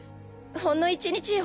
ほんの１日よ。